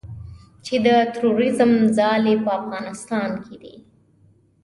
چې د تروریزم ځالې په افغانستان کې دي